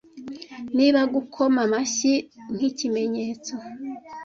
Niba gukoma amashyi nk'ikimenyetso